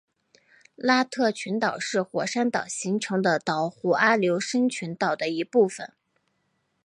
拉特群岛是火山岛形成的岛弧阿留申群岛的一部分。